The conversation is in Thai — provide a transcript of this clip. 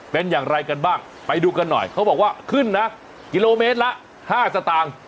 เป็นอย่างไรกันบ้างไปดูกันหน่อยเขาบอกว่าขึ้นนะกิโลเมตรละ๕สตางค์